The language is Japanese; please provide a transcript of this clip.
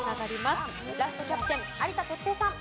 ラストキャプテン有田哲平さん。